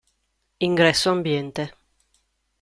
Ingresso ambiente.